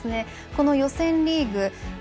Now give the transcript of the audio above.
この予選リーグ